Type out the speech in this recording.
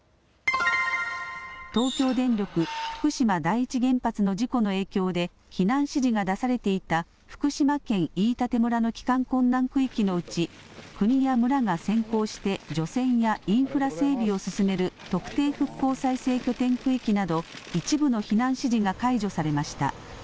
東京電力福島第一原発の事故の影響で避難指示が出されていた福島県飯舘村の帰還困難区域のうち国や村が先行して除染やインフラ整備を進める特定復興再生拠点区域など一部の避難指示が解除されました。